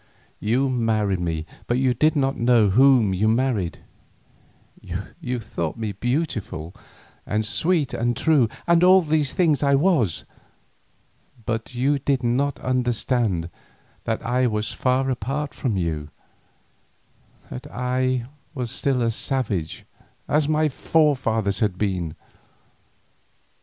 You married me but you did not know whom you married; you thought me beautiful, and sweet, and true, and all these things I was, but you did not understand that I was far apart from you, that I was still a savage as my forefathers had been.